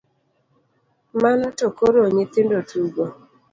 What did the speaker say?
Mano to koro nyithindo tugo?